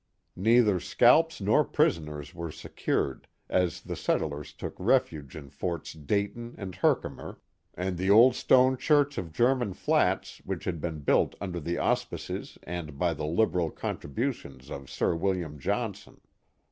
Neither scalps nor ptisoners were secured, as the settlers took refuge in Forts Dayton and Herkimer. " and the old stone church of German Flats, which had been built under the auspices and by the liberal contributions of Sir William Johnson."